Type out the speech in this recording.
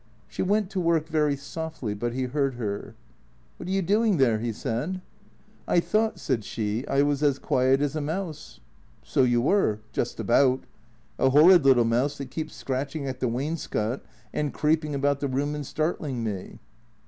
She went to work very softly, but he heard her. " What are you doing there? " he said. " I thought," said she, " I was as quiet as a mouse." " So you were. Just about. A horrid little mouse that keeps scratching at the wainscot and creeping about the room and startling me."